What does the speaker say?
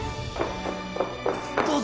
どうぞ